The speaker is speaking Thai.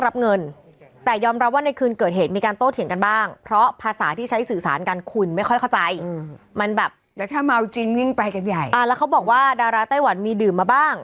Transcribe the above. แล้วเขาบอกว่าดาราไต้หวันมีดื่มมาบ้าง